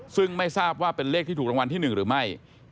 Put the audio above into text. ซึ่งไม่ทราบว่าเป็นเลขที่ถูกรางวัลที่๑หรือไม่